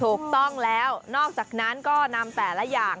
ถูกต้องแล้วนอกจากนั้นก็นำแต่ละอย่าง